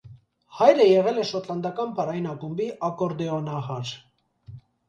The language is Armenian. Հայրը եղել է շոտլանդական պարային ակումբի ակորդեոնահար։